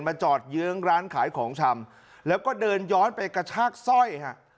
จอดเยื้องร้านขายของชำแล้วก็เดินย้อนไปกระชากสร้อยฮะ